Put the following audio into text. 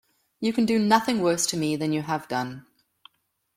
You can do nothing worse to me than you have done.